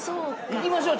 いきましょう。